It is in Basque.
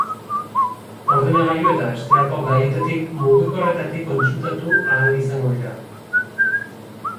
Ordenagailu eta bestelako gailuetatik mugikorretatik kontsultatu ahal izango dira.